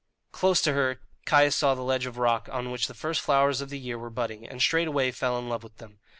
Close to her Caius saw the ledge of rock on which the first flowers of the year were budding, and straightway fell in love with them.